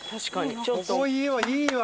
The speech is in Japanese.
ここいいわいいわ！